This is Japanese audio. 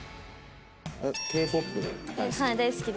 Ｋ−ＰＯＰ大好き？